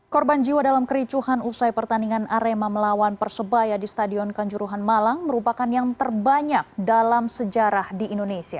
korban jiwa dalam kericuhan usai pertandingan arema melawan persebaya di stadion kanjuruhan malang merupakan yang terbanyak dalam sejarah di indonesia